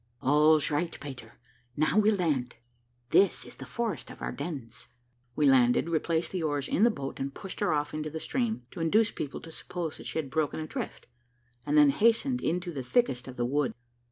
"All's right, Peter; now we'll land. This is the forest of Ardennes." We landed, replaced the oars in the boat, and pushed her off into the stream, to induce people to suppose that she had broken adrift, and then hastened into the thickest of the wood.